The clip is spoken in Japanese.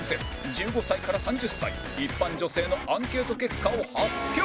１５歳から３０歳一般女性のアンケート結果を発表